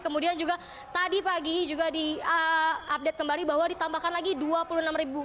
kemudian juga tadi pagi juga diupdate kembali bahwa ditambahkan lagi dua puluh enam ribu